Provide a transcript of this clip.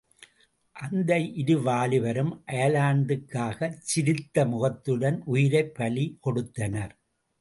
அந்த இரு வாலிபரும் அயர்லாந்துக்காகச் சிரித்த முகத்துடன் உயிரைப் பலி கொடுத்தனர்.